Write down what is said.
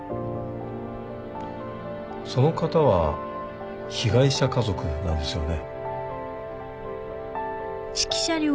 その方は被害者家族なんですよね？